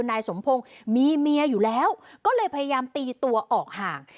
นายสมพงศ์มีเมียอยู่แล้วก็เลยพยายามตีตัวออกห่าง